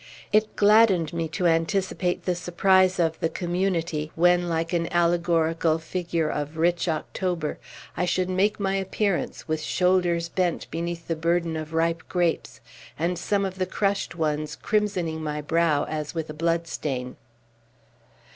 It gladdened me to anticipate the surprise of the Community, when, like an allegorical figure of rich October, I should make my appearance, with shoulders bent beneath the burden of ripe grapes, and some of the crushed ones crimsoning my brow as with a bloodstain.